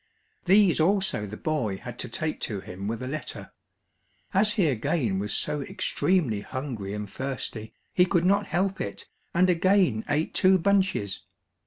These also the boy had to take to him with a letter. As he again was so extremely hungry and thirsty, he could not help it, and again ate two bunches.